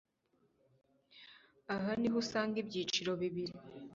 aha niho usanga ibyiciro bibiri